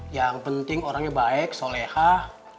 yang penting orangnya baik solehah